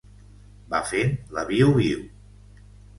Va fent la viu-viu